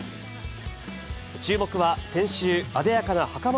注目は先週、あでやかなはかま